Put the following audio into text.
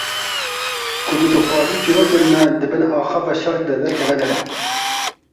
Ku tu dixwazî çîrokên me di bin axa veşartî de derkeve der.